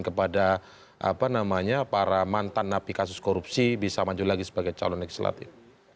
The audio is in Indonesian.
kepada para mantan napi kasus korupsi bisa maju lagi sebagai calon legislatif